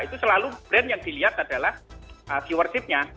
itu selalu brand yang dilihat adalah viewershipnya